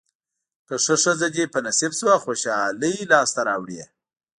که ښه ښځه دې په نصیب شوه خوشالۍ لاسته راوړې.